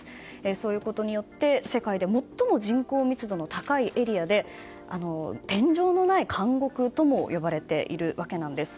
そういうことによって世界で最も人口密度の高いエリアで天井のない監獄とも呼ばれているわけなんです。